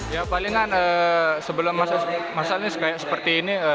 ya palingan sebelum masa ini seperti ini